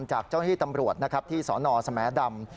จากเจ้าหน้าที่ตำรวจที่สนสมดำ